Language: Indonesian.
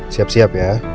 siap siap ya